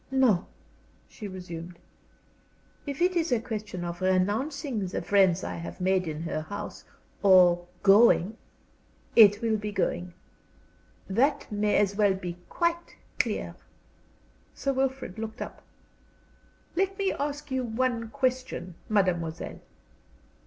"No," she resumed. "If it is a question of renouncing the friends I have made in her house, or going it will be going. That may as well be quite clear." Sir Wilfrid looked up. "Let me ask you one question, mademoiselle."